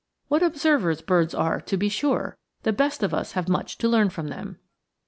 What observers birds are, to be sure! The best of us have much to learn from them.